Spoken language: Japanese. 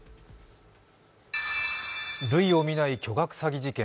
類を見ない巨額詐欺事件。